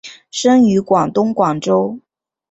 生于广东广州。